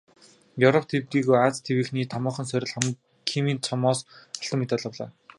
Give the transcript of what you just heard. Европ төдийгүй Ази тивийнхний томоохон сорил "Химийн цом"-оос алтан медаль авлаа.